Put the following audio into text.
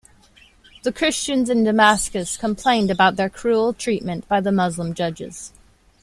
The Christians in Damascus complained about their cruel treatment by the Muslim judges.